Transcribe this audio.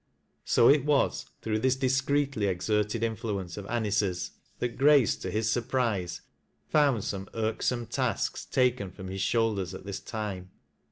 So it was, through this discreetly exerted influence of Anice's, that Grace, to his surprise, found some irk some tasks taken from his shoulders at this time.